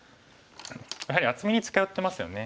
やはり厚みに近寄ってますよね。